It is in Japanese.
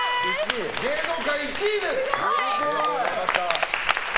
芸能界１位です！